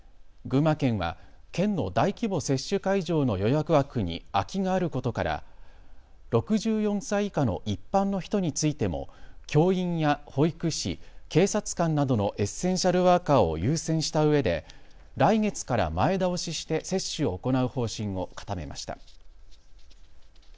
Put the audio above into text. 群馬県は県の大規模接種会場の予約枠に空きがあることから６４歳以下の一般の人についても教員や保育士、警察官などのエッセンシャルワーカーを優先したうえで来月から前倒しして接種を行う方針を固めました。